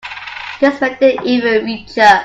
This made them even richer.